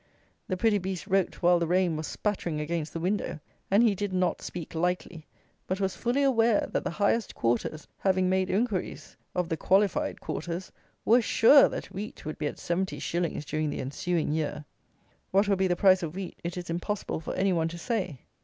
The pretty beast wrote while the rain was spattering against the window; and he did "not speak lightly," but was fully aware that the highest quarters, having made inquiries of the qualified quarters, were sure that wheat would be at seventy shillings during the ensuing year. What will be the price of wheat it is impossible for any one to say.